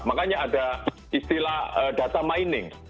makanya ada istilah data mining